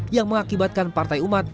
yang mengakibatkan partai umat